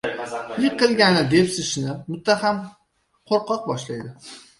Yiqilganni depsishni muttaham qo‘rqoq boshlaydi.